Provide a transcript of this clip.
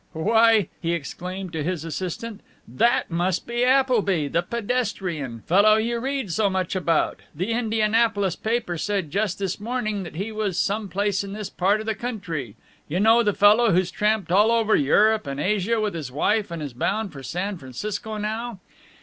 "Why," he exclaimed to his assistant, "that must be Appleby, the pedestrian fellow you read so much about the Indianapolis paper said just this morning that he was some place in this part of the country you know, the fellow who's tramped all over Europe and Asia with his wife, and is bound for San Francisco now."